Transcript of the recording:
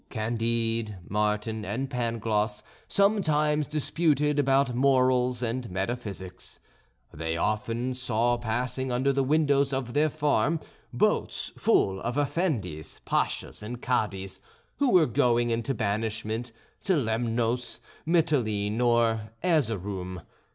Candide, Martin, and Pangloss sometimes disputed about morals and metaphysics. They often saw passing under the windows of their farm boats full of Effendis, Pashas, and Cadis, who were going into banishment to Lemnos, Mitylene, or Erzeroum.